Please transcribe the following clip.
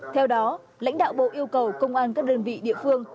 theo đó lãnh đạo bộ yêu cầu công an các đơn vị địa phương